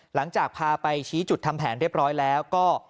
หลังจากพาไปชี้จุดทำแผนเรียบร้อยแล้วก็